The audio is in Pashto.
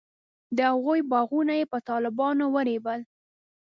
د هغوی باغونه یې په طالبانو ورېبل.